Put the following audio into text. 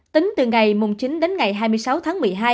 tính từ ngày chín đến ngày hai mươi sáu tháng một mươi hai